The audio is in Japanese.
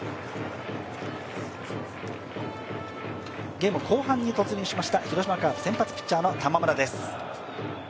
ゲーム後半に突入しました広島カープ、先発ピッチャーの玉村です。